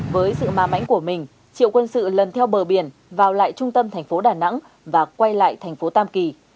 với sự ma mãnh của mình triệu quân sự lần theo bờ biển vào lại trung tâm thành phố đà nẵng và quay lại thành phố tam kỳ